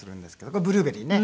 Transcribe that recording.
これブルーベリーね。